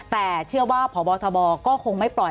แต่เชื่อว่าพบทบก็คงไม่ปล่อย